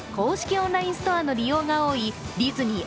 オンラインストアの利用が多いディズニー